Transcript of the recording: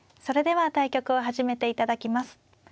それでは対局を始めて頂きます。